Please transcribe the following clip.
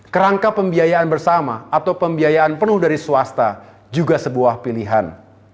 kerangka pembiayaan bersama atau pembiayaan penuh dari swasta juga sebuah pilihan